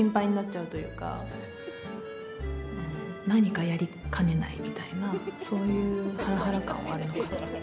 悪い意味でも何かやりかねないみたいなそういうハラハラ感はあるのかなと。